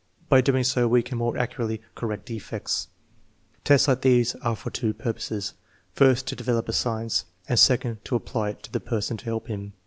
By doing so we can more accurately correct de fects." "Tests like these are for two purposes. First to develop a science, and second to apply it to the person to help him.